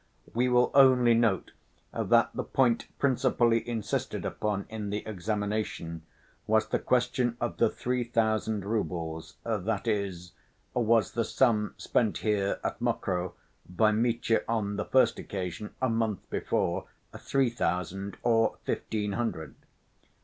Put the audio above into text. We will only note that the point principally insisted upon in the examination was the question of the three thousand roubles, that is, was the sum spent here, at Mokroe, by Mitya on the first occasion, a month before, three thousand or fifteen hundred?